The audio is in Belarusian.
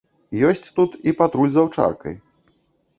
Ёсць тут і патруль з аўчаркай.